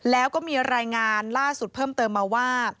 แล้วก็มีรายงานล่าสุดเพิ่มเติมมาว่า